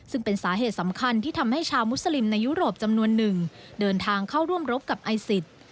ซึ่งเป็นสาเหตุสำคัญที่ทำให้ชาวมุสลิมในยุโรปจำนวนหนึ่งเดินทางเข้าร่วมรบกับไอซิส